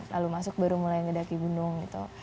lalu masuk baru mulai mendaki gunung